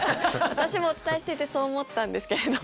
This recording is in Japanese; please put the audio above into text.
私もお伝えしていてそう思ったんですけれども。